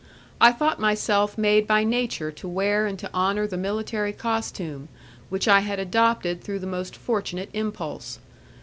I thought myself made by nature to wear and to honour the military costume, which I had adopted through the most fortunate impulse.